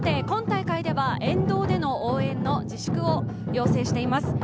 今大会では沿道での応援の自粛を要請しています。